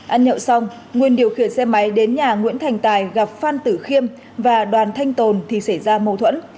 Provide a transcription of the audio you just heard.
ăn nhậu xong nguyên điều khiển xe máy đến nhà nguyễn thành tài gặp phan tử khiêm và đoàn thanh tồn thì xảy ra mâu thuẫn